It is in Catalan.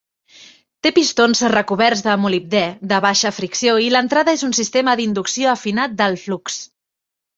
Té pistons recoberts de molibdè de baixa fricció i l'entrada és un sistema d'inducció afinat d'alt flux.